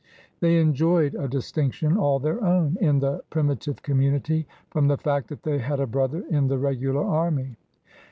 They enjoyed a distinction all their own in the primi tive community from the fact that they had a brother in the regular army.